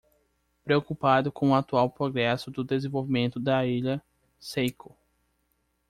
Preocupado com o atual progresso do desenvolvimento da Ilha Seiko